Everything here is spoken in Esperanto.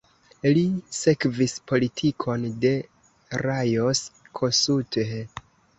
Li sekvis politikon de Lajos Kossuth.